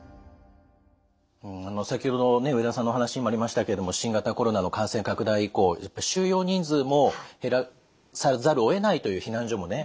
先ほどの植田さんのお話にもありましたけれども新型コロナの感染拡大以降収容人数も減らさざるをえないという避難所もね